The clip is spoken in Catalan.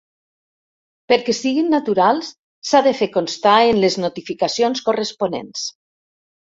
Perquè siguin naturals, s'ha de fer constar en les notificacions corresponents.